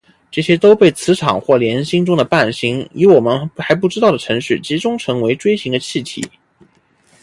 这些都被磁场或联星中的伴星以我们还不知道的程序集中成为锥形的气体。